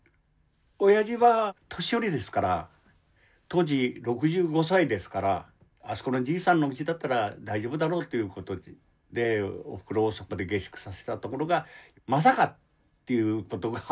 当時６５歳ですから。あそこのじいさんのうちだったら大丈夫だろうということでおふくろをそこで下宿させたところが「まさか」ということがあって。